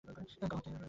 কহর থেকে অনেক দূরে কী?